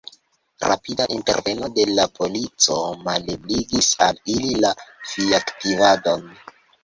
Rapida interveno de la polico malebligis al ili la fiaktivadon.